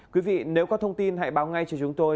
quý vị nếu có thông tin hãy báo ngay cho chúng tôi